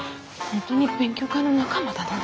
本当に勉強会の仲間。